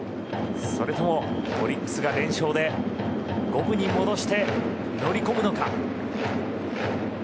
それともオリックスが連勝で五分に戻して乗り込むのか。